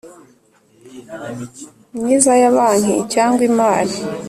Myiza ya banki cyangwa imari